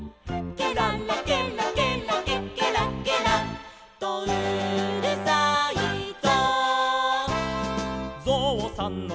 「ケララケラケラケケラケラとうるさいぞ」